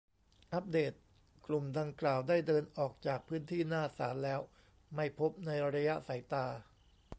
อัปเดต : กลุ่มดังกล่าวได้เดินออกจากพื้นที่หน้าศาลแล้ว ไม่พบในระยะสายตา